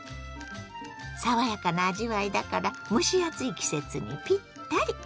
爽やかな味わいだから蒸し暑い季節にピッタリ。